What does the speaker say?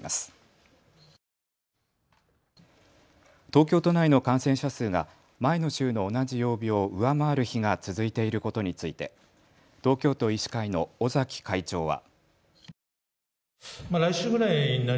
東京都内の感染者数が前の週の同じ曜日を上回る日が続いていることについて東京都医師会の尾崎会長は。